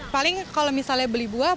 paling kalau misalnya beli buah